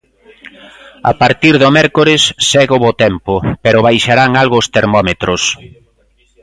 A partir do mércores segue o bo tempo, pero baixarán algo os termómetros.